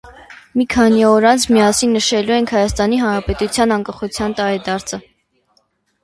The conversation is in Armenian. Մի քանի օր անց միասին նշելու ենք Հայաստանի Հանրապետության անկախության տարեդարձը: